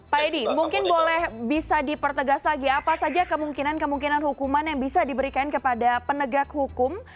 pak edi mungkin boleh bisa dipertegas lagi apa saja kemungkinan kemungkinan hukuman yang bisa diberikan kepada penegak hukum